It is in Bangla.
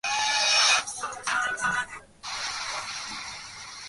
যখন ছুটি পান, তখন হাসপাতাল বন্ধ হয়ে যায়।